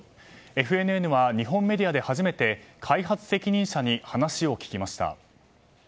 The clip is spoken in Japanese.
ＦＮＮは、日本メディアで初めて開発責任者に話を聞きました。